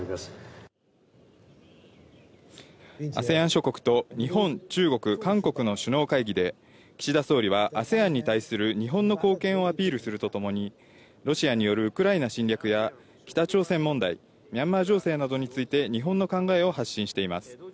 ＡＳＥＡＮ諸国と日本、中国、韓国の首脳会議で、岸田総理はＡＳＥＡＮに対する日本の貢献をアピールするとともにロシアによるウクライナ侵略や北朝鮮問題、ミャンマー情勢などについて日本の考えを発信しています。